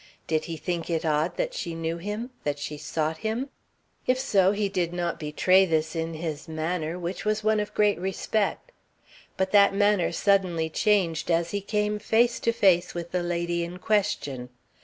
Did he think it odd that she knew him, that she sought him? If so, he did not betray this in his manner, which was one of great respect. But that manner suddenly changed as he came face to face with the lady in question.